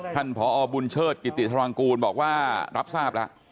ท่านพ่ออบุญเชิดกิติธรังกูลบอกว่ารับทราบละ